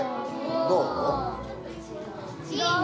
どう？